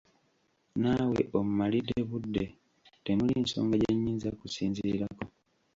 Naawe ommalidde budde temuli nsonga gye nnyinza kusinziirako.